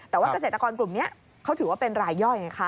แต่ว่าเกษตรกรกลุ่มนี้เขาถือว่าเป็นรายย่อยไงคะ